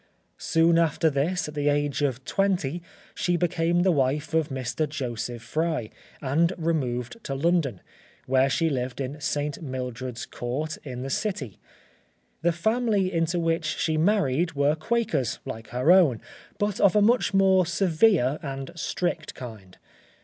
Soon after this, at the age of twenty, she became the wife of Mr. Joseph Fry, and removed to London, where she lived in St. Mildred's Court, in the City. The family into which she married were Quakers, like her own, but of a much more severe and strict kind.